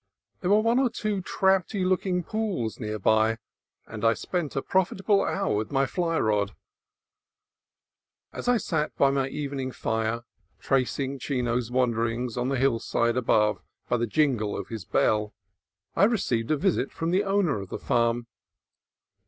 There were one or two trouty looking pools near by, and I spent a profitable hour with my fly rod. As I sat by my evening fire, tracing Chino's wanderings on the hillside above by the jingle of his bell, I received a visit from the owner of the farm.